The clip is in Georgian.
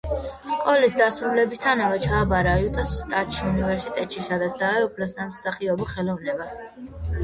სკოლის დასრულებისთანავე ჩააბარა იუტას შტატის უნივერისტეტში, სადაც დაეუფლა სამსახიობო ხელოვნებას.